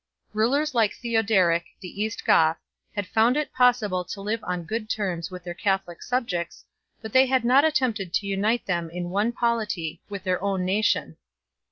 Rulers like Theoderic the East Goth had found it possible to live on good terms with their Catholic subjects, but they had not attempted to unite them in one polity with their own nation.